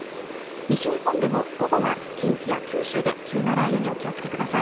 西日本でも午後は近畿や九州で急な雷雨にお気をつけください。